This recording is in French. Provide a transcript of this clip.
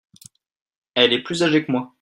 Elle est plus agée que moi.